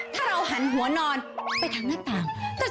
ถ้าเราหันหัวนอนไปทางหน้าต่าง